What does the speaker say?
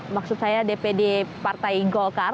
maksud saya dpd partai golkar